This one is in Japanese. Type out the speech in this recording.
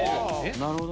なるほど。